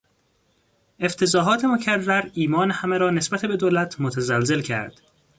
افتضاحات مکرر ایمان همه را نسبت به دولت متزلزل کرد.